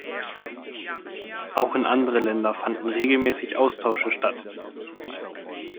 Auch in andere Länder fanden regelmäßig Austausche statt.